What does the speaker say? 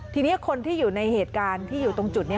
ทีนี้คนที่อยู่ในเหตุการณ์ที่อยู่ตรงจุดนี้